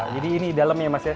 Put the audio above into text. jadi ini dalemnya mas ya